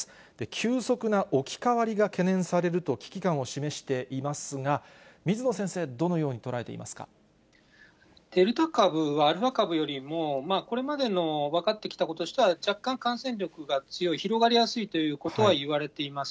急速な置き換わりが懸念されると危機感を示していますが、水野先デルタ株は、アルファ株よりも、これまでの分かってきたこととしては、若干感染力が強い、広がりやすいということはいわれています。